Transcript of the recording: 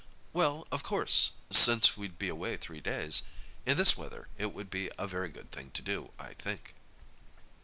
"Well, of course—since we'd be away three days. In this weather it would be a very good thing to do, I think."